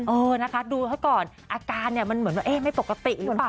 เออนะคะดูเขาก่อนอาการเนี่ยมันเหมือนว่าเอ๊ะไม่ปกติหรือเปล่า